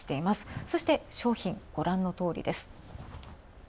そして商品、ご覧のとおりです。